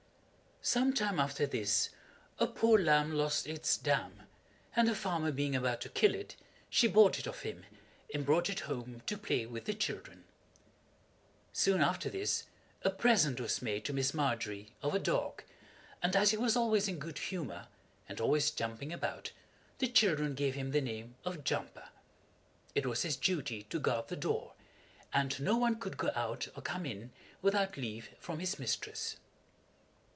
Some time after this a poor lamb lost its dam, and the farmer being about to kill it, she bought it of him, and brought it home to play with the children. Soon after this a present was made to Miss Margery of a dog, and as he was always in good humor, and always jumping about, the children gave him the name of Jumper. It was his duty to guard the door, and no one could go out or come in without leave from his mistress.